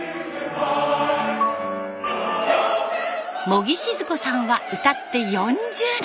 茂木静子さんは歌って４０年。